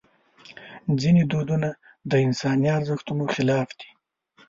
ځینې دودونه د انساني ارزښتونو خلاف دي.